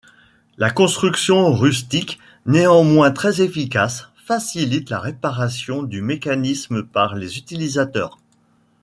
La construction rustique, néanmoins très efficace, facilite la réparation du mécanisme par les utilisateurs.